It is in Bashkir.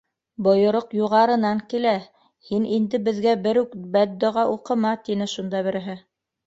Бойороҡ юғарынан килә. һин инде беҙгә бер үк бәддоға уҡыма, - тине шунда береһе.